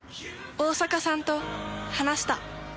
大坂さんと話した。